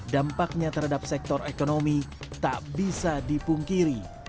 dampaknya terhadap sektor ekonomi tak bisa dipungkiri